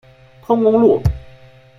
通公路。